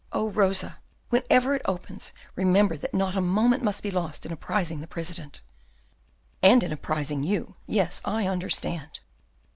"Oh, Rosa, whenever it opens, remember that not a moment must be lost in apprising the President." "And in apprising you. Yes, I understand."